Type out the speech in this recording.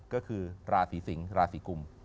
ก็คือราศีสิงศ์ราศีกุม